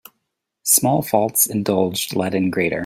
Small faults indulged let in greater.